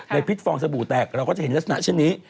พิษฟองสบู่แตกเราก็จะเห็นลักษณะเช่นนี้